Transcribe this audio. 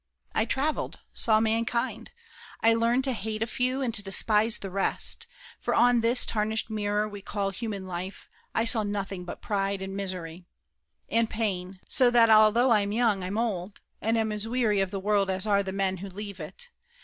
I traveled—saw mankind: I learned to hate A few and to despise the rest. For on This tarnished mirror we call human life, I saw nothing but pride and misery And pain; so that, although I'm young, I'm old, And am as weary of the world as are The men who leave it.